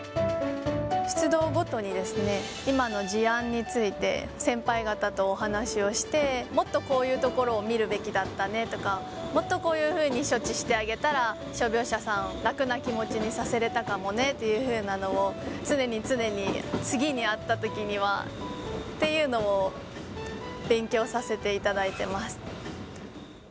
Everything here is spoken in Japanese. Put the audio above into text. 出動ごとにですね、今の事案について先輩方とお話をして、もっとこういうところを見るべきだったねとか、もっとこういうふうに処置してあげたら傷病者さん、楽な気持ちにさせれたかもねというのを、常に常に、次にあったときにはっていうのを、勉強させていただいています。